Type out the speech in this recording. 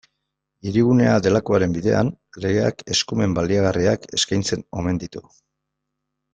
Hirigunea delakoaren bidean, legeak eskumen baliagarriak eskaintzen omen ditu.